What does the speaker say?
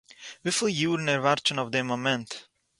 וויפיל יארן ער ווארט שוין אויף דעם מאמענט